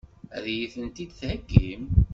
Ad iyi-tent-id-theggim?